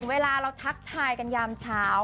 เวลาเราทักทายกันยามเช้า